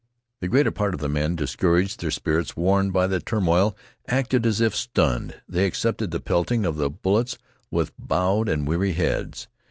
The greater part of the men, discouraged, their spirits worn by the turmoil, acted as if stunned. They accepted the pelting of the bullets with bowed and weary heads.